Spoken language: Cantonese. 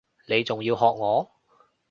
你仲要喝我！